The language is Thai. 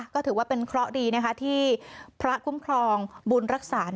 ก็ถือว่าเป็นเคราะห์ดีนะคะที่พระคุ้มครองบุญรักษา